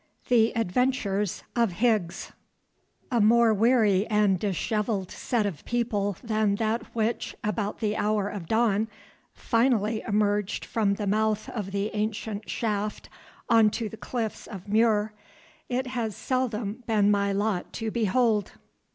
THE ADVENTURES OF HIGGS A more weary and dishevelled set of people than that which about the hour of dawn finally emerged from the mouth of the ancient shaft on to the cliffs of Mur it has seldom been my lot to behold.